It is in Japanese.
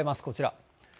こちら。